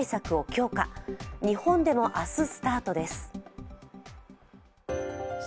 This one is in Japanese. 日本でも明日、スタートです。